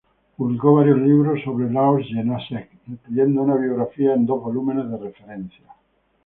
Publicó varios libros sobre Leoš Janáček, incluyendo una biografía en dos volúmenes de referencia.